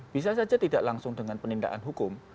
bisa saja tidak langsung dengan penindakan hukum